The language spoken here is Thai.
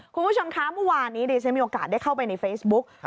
คุณผู้ชมคะเมื่อวานนี้ดิฉันมีโอกาสได้เข้าไปในเฟซบุ๊ก